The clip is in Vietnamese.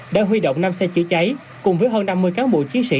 đã huy động năm xe chữa cháy cùng với hơn năm mươi cán bộ chiến sĩ